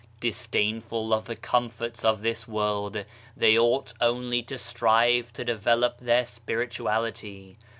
Disdainful of the comforts of this world, they ought only to strive to develop their spirituality.